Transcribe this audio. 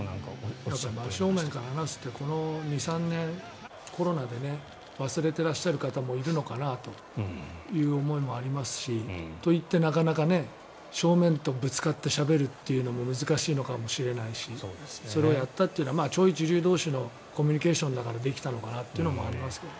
真正面から話すってこの２３年、コロナで忘れていらっしゃる方もいるのかなという思いもありますしといってなかなか正面とぶつかってしゃべるというのも難しいのかもしれないしそれをやったというのは超一流同士のコミュニケーションだからできたのかなというのもありますけど。